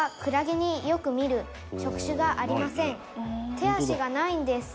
「手足がないんです」